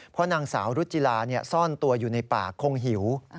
เพราะนางสาวรุจิลาซ่อนตัวอยู่ในป่าคงหิว